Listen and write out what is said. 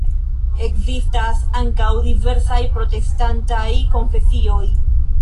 Ekzistas ankaŭ diversaj protestantaj konfesioj.